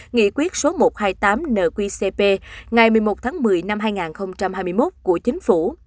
nghị quyết số một trăm hai mươi tám nqcp ngày một mươi một tháng một mươi năm hai nghìn hai mươi một của chính phủ